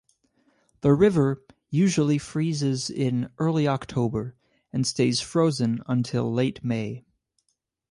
The river usually freezes in early October and stays frozen until late May.